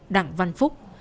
đặng văn phúc